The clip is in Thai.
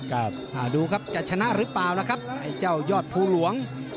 ครับอ่าดูครับจะชนะหรือเปล่าล่ะครับไอ้เจ้ายอดภูหลวง